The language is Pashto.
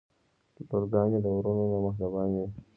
لورګانې د وروڼه نه مهربانې وی.